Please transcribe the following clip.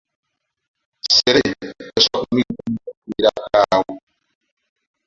Ssere tosobola kumuyitamu n’akuviirako awo.